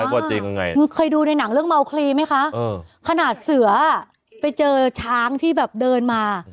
แล้วก็จริงไงเคยดูในหนังเรื่องเมาคลีไหมคะขนาดเสือไปเจอช้างที่แบบเดินมา